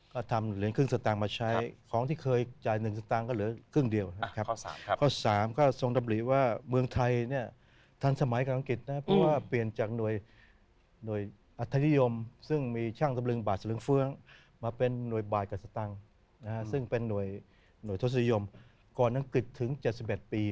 ก็ทำเหรียญครึ่งสตางค์มาใช้ของที่เคยจ่ายหนึ่งสตางค์ก็เหลือครึ่งเดียวครับ